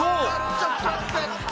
ちょっと待って。